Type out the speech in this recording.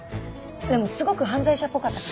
でもすごく犯罪者っぽかったから。